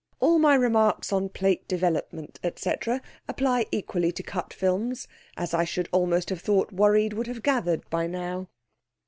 All my remarks on plate development, etc., apply equally to cut films, as I should almost have thought 'Worried' would have gathered by now.